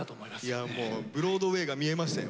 いやもうブロードウェイが見えましたよ。